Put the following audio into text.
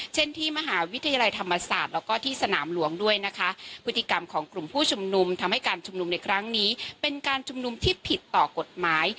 เช่นที่มหาวิทยาลัยธรรมศาสตร์แล้วก็ที่สนามหลวงด้วยนะคะพฤติกรรมของกลุ่มผู้ชุมนุมทำให้การชุมนุมในครั้งนี้เป็นการชุมนุมที่ผิดต่อกฎหมาย